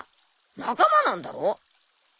仲間なんだろ？